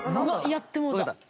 やってもうた。